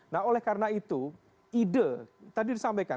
nah oleh karena itu ide tadi disampaikan